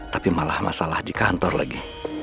tapi malah masalah di kantor lagi